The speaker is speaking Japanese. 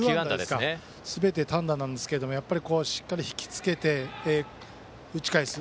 すべて単打なんですけどやっぱりしっかり引きつけて打ち返す